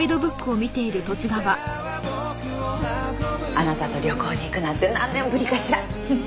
あなたと旅行に行くなんて何年ぶりかしら？